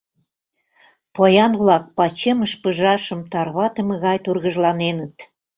Поян-влак пачемыш пыжашым тарватыме гай тургыжланеныт.